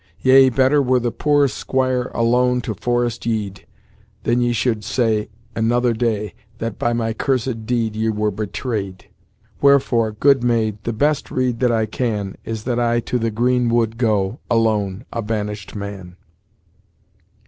Yea, better were, the pore squy re alone to forest yede, Then ye sholde say another day, that by my cursed dede Ye were betrayed: wherefore, good mayde, the best rede that I can, Is, that I to the grene wode go, alone, a banyshed man."